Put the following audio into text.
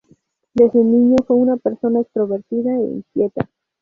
Desde niño fue una persona extrovertida e inquieta.